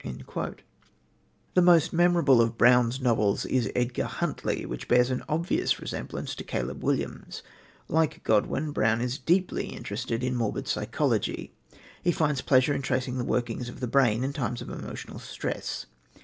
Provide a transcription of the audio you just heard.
The most memorable of Brown's novels is Edgar Huntly, which bears an obvious resemblance to Caleb Williams. Like Godwin, Brown is deeply interested in morbid psychology. He finds pleasure in tracing the workings of the brain in times of emotional stress.